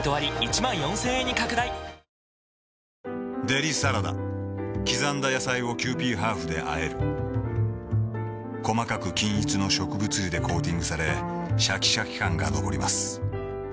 デリサラダ刻んだ野菜をキユーピーハーフであえる細かく均一の植物油でコーティングされシャキシャキ感が残ります